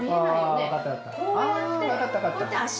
ああ分かった分かった。